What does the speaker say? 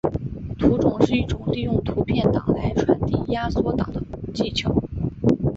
图种是一种利用图片档来传递压缩档的技巧。